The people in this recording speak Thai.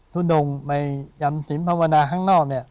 ทุดงในยันสินภาวนาข้างนอกเนี่ย